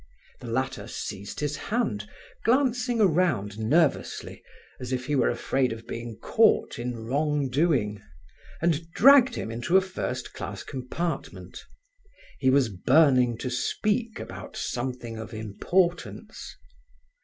The latter seized his hand, glancing around nervously, as if he were afraid of being caught in wrong doing, and dragged him into a first class compartment. He was burning to speak about something of importance.